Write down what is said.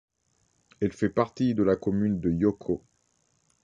Elle fait partie de la commune de Yoko.